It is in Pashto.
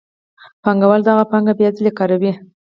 پانګوال دغه پانګه بیا ځلي کاروي